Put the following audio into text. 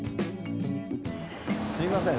すみません。